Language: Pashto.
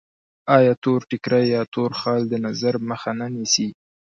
آیا تور ټیکری یا تور خال د نظر مخه نه نیسي؟